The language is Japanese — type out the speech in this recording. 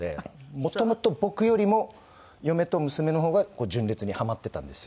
もともと僕よりも嫁と娘のほうが純烈にハマってたんですよ。